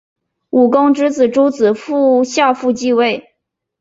武公之子邾子夏父继位。